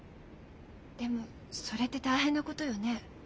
でもそれって大変なことよね。